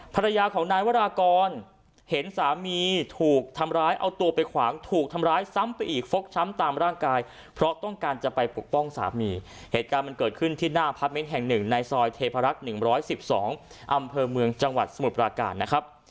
ภรรยาของนายวรากรเห็นสามีถูกทำร้ายเอาตัวไปขวางถูกทำร้ายซ้ำไปอีกฟกช้ำตามร่างกายเพราะต้องการจะไปปกป้องสามีเหตุการณ์มันเกิดขึ้นที่หน้าพาร์ทเมนต์แห่งหนึ่งในซอยเทพรักษ์๑๑๒อำเภอเมืองจังหวัดสมุทรปราการนะครับ